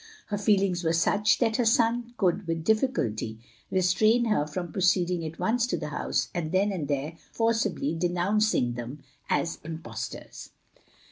Her feelings were such that her son could with difl&culty restrain her from proceeding at once to the house, and then and there forcibly denounc ing them as impostors.